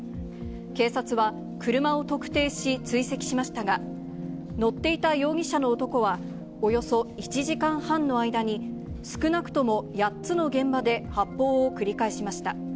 警察は車を特定し追跡しましたが、乗っていた容疑者の男は、およそ１時間半の間に、少なくとも８つの現場で発砲を繰り返しました。